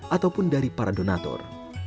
ataupun dari para donator